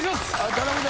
頼むで。